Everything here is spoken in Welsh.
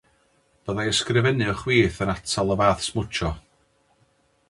Byddai ysgrifennu o chwith yn atal y fath smwtsio.